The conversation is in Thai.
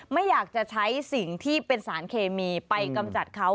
ไม่อยากจะใช้สิ่งที่เป็นสารเคมีไปกำจัดเขา